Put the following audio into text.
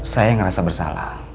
saya ngerasa bersalah